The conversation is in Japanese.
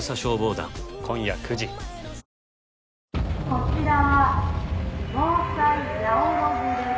「こちらは防災ヤオロズです」